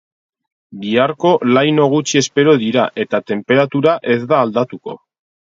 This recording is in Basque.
Biharko laino gutxi espero dira eta tenperatura ez da aldatuko.